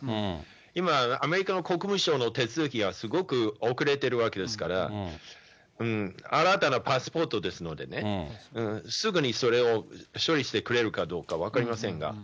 今、アメリカの国務省の手続きがすごく遅れてるわけですから、新たなパスポートですのでね、すぐにそれを処理してくれるかどうか分かりませんが。